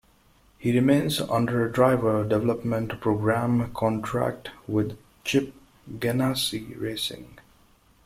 He remains under a driver development program contract with Chip Ganassi Racing.